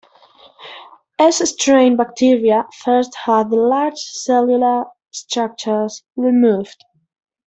S-strain bacteria first had the large cellular structures removed.